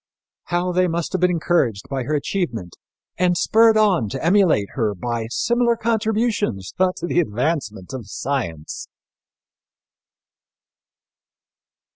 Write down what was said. How they must have been encouraged by her achievement and spurred on to emulate her by similar contributions to the advancement of science!